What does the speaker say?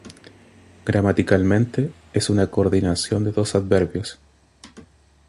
Gramaticalmente, es una coordinación de dos adverbios.